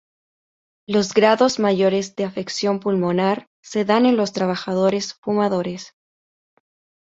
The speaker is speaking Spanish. Los grados mayores de afección pulmonar se dan en los trabajadores fumadores.